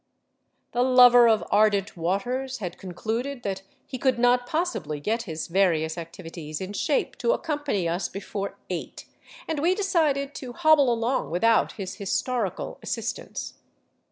The lover of ardent waters had concluded that he could not possibly get his various activities in shape to accompany us before eight, and we decided to hobble along without his historical assistance.